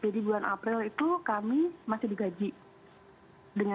jadi bulan april itu kami masih di force untuk keluarkan annual leave dan ini ya